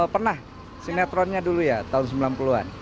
pernah sinetronnya dulu ya tahun sembilan puluh an